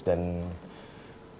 dan biar ya